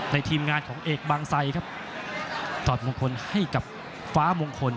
ทีมงานของเอกบางไซครับถอดมงคลให้กับฟ้ามงคล